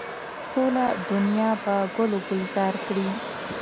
ټوله دنیا به ګل و ګلزاره کړي.